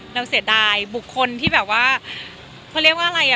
เสียดายบุคคลที่แบบว่าเขาเรียกว่าอะไรอ่ะ